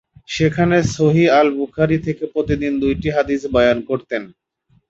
সেখানে সহিহ আল-বুখারি থেকে প্রতিদিন দুটি হাদিস বয়ান করতেন।